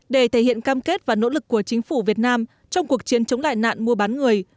để thể hiện cam kết và nỗ lực của chính phủ việt nam trong cuộc chiến chống đại nạn mua bán người